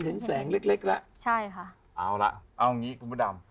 เห็นแสงเล็กแล้วใช่ค่ะ